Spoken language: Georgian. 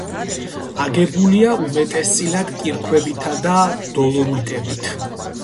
აგებულია უმეტესწილად კირქვებითა და დოლომიტებით.